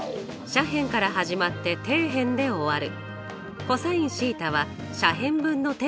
底辺から始まって対辺で終わる。